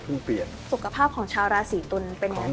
สุขภาพของชาวราศีตุลเป็นยังไงบ้างคะ